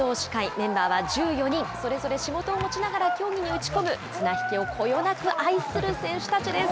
メンバーは１４人、それぞれ仕事を持ちながら競技に打ち込む、綱引きをこよなく愛する選手たちです。